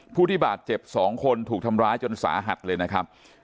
ผู้ที่บาดเจ็บ๒คนถูกทำร้ายจนสาหัสเลยนะครับ